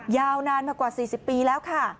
ยาวนานมากว่า๔๐ปีแล้วค่ะ